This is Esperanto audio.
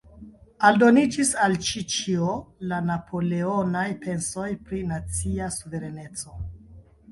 Aldoniĝis al ĉi-ĉio la napoleonaj pensoj pri nacia suvereneco.